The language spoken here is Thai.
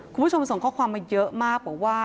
คุณผู้ชมส่งข้อความมาเยอะมากบอกว่า